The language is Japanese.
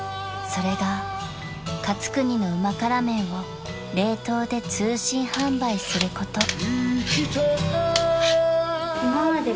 ［それがかつくにの旨辛麺を冷凍で通信販売すること］